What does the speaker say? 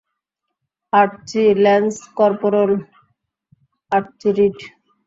আর্চি, lance corporal Archie read.